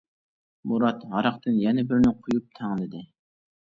مۇراد ھاراقتىن يەنە بىرنى قۇيۇپ تەڭلىدى.